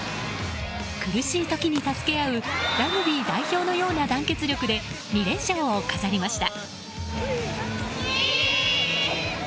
苦しい時に助け合うラグビー代表のような団結力で２連勝を飾りました。